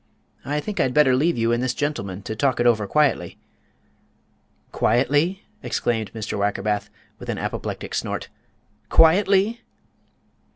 "I think I'd better leave you and this gentleman to talk it over quietly." "Quietly?" exclaimed Mr. Wackerbath, with an apoplectic snort; "_quietly!!